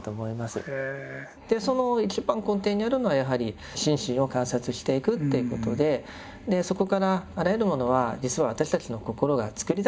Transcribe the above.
その一番根底にあるのはやはり心身を観察していくっていうことでそこからあらゆるものは実は私たちの心が作り出しているものなんだと。